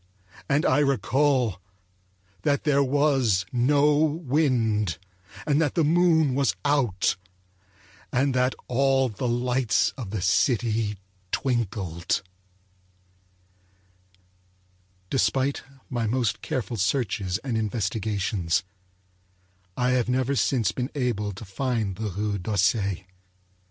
And I recall that there was no wind, and that the moon was out, and that all the lights of the city twinkled. More Stories by H.P. Lovecraft Despite my most careful searches and investigations, I have never since been able to find the Rue d'Auseil.